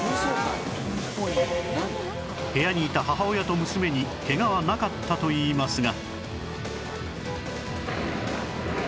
部屋にいた母親と娘にケガはなかったといいますが